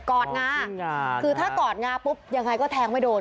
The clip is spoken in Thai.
อดงาคือถ้ากอดงาปุ๊บยังไงก็แทงไม่โดน